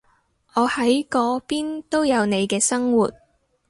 你喺嗰邊都有你嘅生活